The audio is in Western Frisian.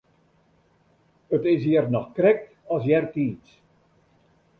It is hjir noch krekt as eartiids.